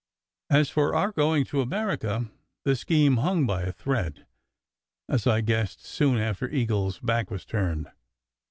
As for our going to America, the scheme hung by a thread, as I guessed soon after Eagle s back was turned.